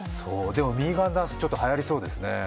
でもミーガンダンス、ちょっとはやりそうですね。